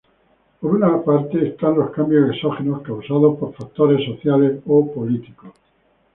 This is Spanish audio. Por una parte, están los cambios exógenos, causados por factores sociales o políticos.